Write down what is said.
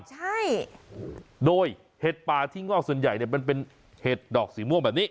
ใช่โดยเห็ดป่าที่งอกส่วนใหญ่เนี่ยมันเป็นเห็ดดอกสีม่วงแบบนี้